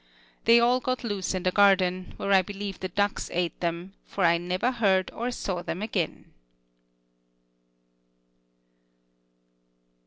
They all got loose in the garden, where I believe the ducks ate them, for I never heard or saw them again.